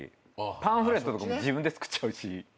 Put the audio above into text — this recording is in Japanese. パンフレットとかも自分で作っちゃうし。